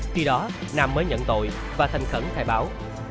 khi đó nam mới nhận tội và thành khẩn khai báo